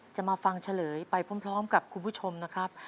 จะมาฟังเฉลยไปพร้อมกับคุณผู้ชมนะครับ